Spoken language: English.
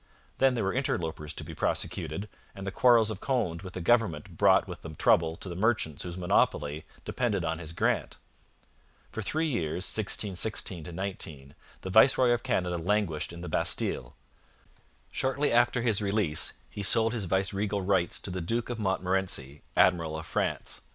Then there were interlopers to be prosecuted, and the quarrels of Conde with the government brought with them trouble to the merchants whose monopoly depended on his grant. For three years (1616 19) the viceroy of Canada languished in the Bastille. Shortly after his release he sold his viceregal rights to the Duke of Montmorency, Admiral of France.